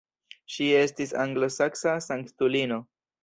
Ŝi estis anglosaksa sanktulino.